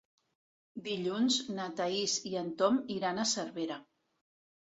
Dilluns na Thaís i en Tom iran a Cervera.